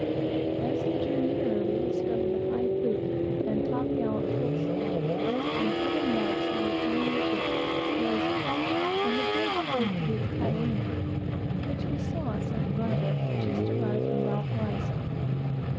As they drew nearer, we soon discovered the high poop and top gallant forecastle, and other marks of the Italian ship Rosa, and the brig proved to be the Catalina, which we saw at Santa Barbara, just arrived from Valparaiso.